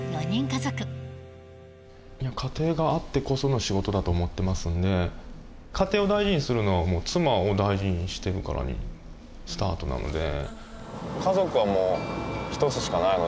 家庭があってこその仕事だと思ってますんで家庭を大事にするのは妻を大事にしてるからスタートなので。